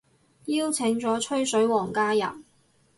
邀請咗吹水王加入